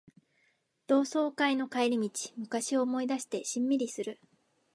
同窓会の帰り道、昔を思い返してしんみりする